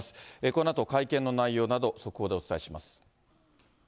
このあと会見の内容など、速報でお伝えします。